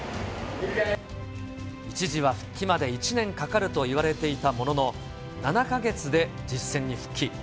一時は復帰まで１年かかるといわれていたものの、７か月で実戦に復帰。